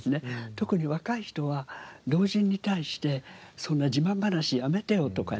特に若い人は老人に対して「そんな自慢話やめてよ」とかね。